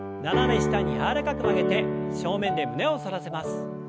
斜め下に柔らかく曲げて正面で胸を反らせます。